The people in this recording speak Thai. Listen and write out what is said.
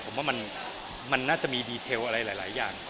ผมเผ่ามันน่าจะมีอ่ะ